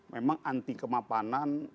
memang anti kemapanan